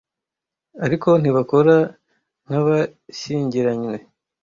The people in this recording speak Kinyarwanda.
ariko ntibakora nkabashyingiranywe.